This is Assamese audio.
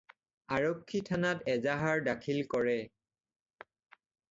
আৰক্ষী থানাত এজাহাৰ দাখিল কৰে।